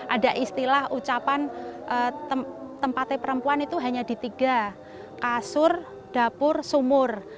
ada istilah ucapan tempatnya perempuan itu hanya di tiga kasur dapur sumur